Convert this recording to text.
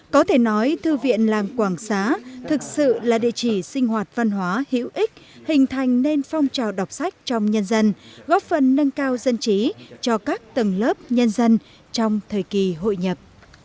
có thể nói thư viện làng quảng xá thực sự là địa chỉ sinh hoạt văn hóa hữu ích hình thành nên phong trào đọc sách trong nhân dân góp phần nâng cao dân trí cho các tầng lớp nhân dân trong thời kỳ hội nhập